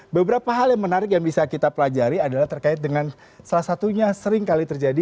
beberapa hal yang menarik yang bisa kita pelajari adalah terkait dengan salah satunya sering kali terjadi